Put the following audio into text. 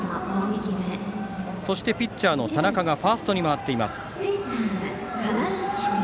ピッチャーの田中がファーストに回っています。